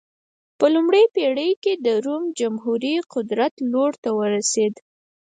په لومړۍ پېړۍ کې د روم جمهوري د قدرت لوړو ته ورسېده.